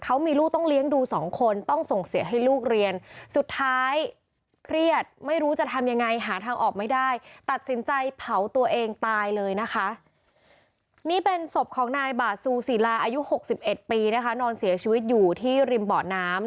อายุหกสิบเอ็ดปีนะคะนอนเสียชีวิตอยู่ที่ริมเบาะน้ำ